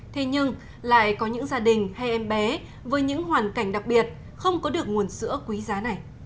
thế nhưng lại có những gia đình hay em bé với những hoàn cảnh đặc biệt không có được nguồn sữa quý giá này